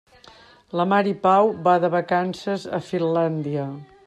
La Mari Pau va de vacances a Finlàndia.